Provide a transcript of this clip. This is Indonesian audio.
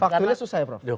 faktunya susah ya prof